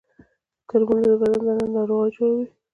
کرمونه د بدن دننه ناروغي جوړوي